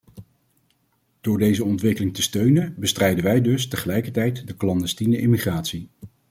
Door deze ontwikkeling te steunen, bestrijden wij dus tegelijkertijd de clandestiene immigratie.